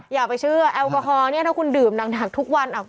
อย่าไปเชื่อแอลกอฮอลเนี่ยถ้าคุณดื่มหนักทุกวัน